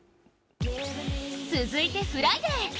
続いてフライデー。